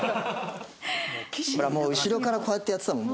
ほらもう後ろからこうやってやってたもん